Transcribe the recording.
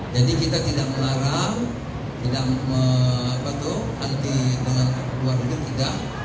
jadi kita tidak melarang tidak menghenti dengan luar diri enggak